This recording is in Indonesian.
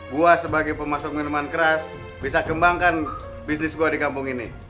gue sebagai pemasok minuman keras bisa kembangkan bisnis gua di kampung ini